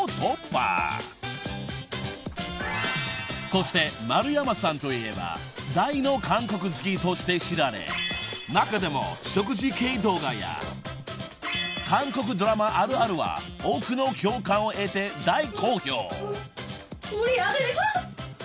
［そして丸山さんといえば大の韓国好きとして知られ中でも食事系動画や韓国ドラマあるあるは多くの共感を得て大好評］